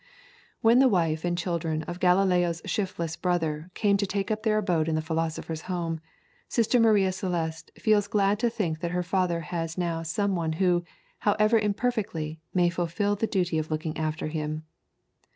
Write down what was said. When the wife and children of Galileo's shiftless brother came to take up their abode in the philosopher's home, Sister Maria Celeste feels glad to think that her father has now some one who, however imperfectly, may fulfil the duty of looking after him.